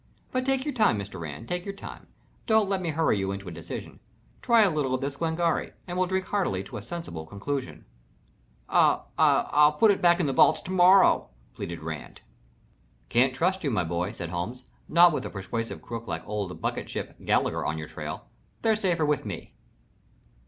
"But take your time, Mr. Rand take your time. Don't let me hurry you into a decision. Try a little of this Glengarry and we'll drink hearty to a sensible conclusion." "I I'll put them back in the vaults to morrow," pleaded Rand. "Can't trust you, my boy," said Holmes. "Not with a persuasive crook like old Bucket ship Gallagher on your trail. They're safer with me."